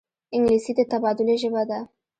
انګلیسي د تبادلې ژبه ده